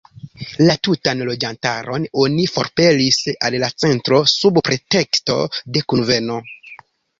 La tutan loĝantaron oni forpelis al la centro sub preteksto de kunveno.